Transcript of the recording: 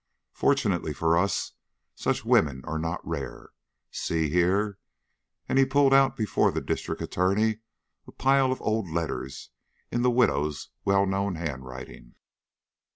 Fortunately for us, such women are not rare. See here!" And he pulled out before the District Attorney a pile of old letters in the widow's well known handwriting.